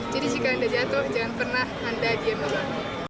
jadi jika anda jatuh jangan pernah anda diam diam